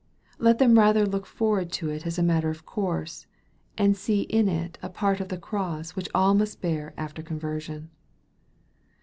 Let them rather look forward to it as a matter of course, and see in it a part of the cross which all must bear after con version.